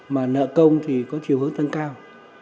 mà nợ công có chiều hướng tăng cao